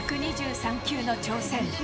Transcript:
１２３球の挑戦。